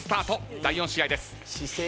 第４試合です。